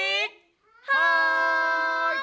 はい！